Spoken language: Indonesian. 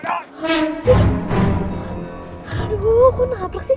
gagup kepatah nih kayaknya nih